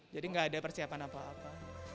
jadi gak ada persiapan apa apa